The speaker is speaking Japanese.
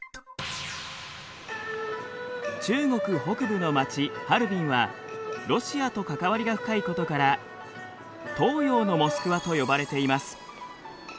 中国北部の街ハルビンはロシアと関わりが深いことから東洋のモスクワと呼ばれています。